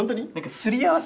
すり合わせ？